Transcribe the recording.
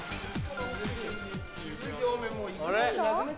あれ？